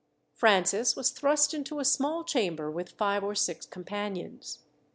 Francis was thrust into a small chamber with five or six companions.